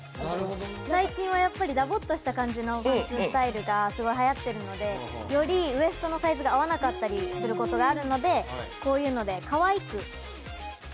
最近はダボっとした感じのパンツスタイルがはやってるのでよりウエストのサイズが合わなかったりすることがあるのでこういうのでかわいく。